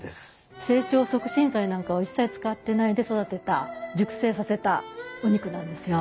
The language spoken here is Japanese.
成長促進剤なんかを一切使ってないで育てた熟成させたお肉なんですよ。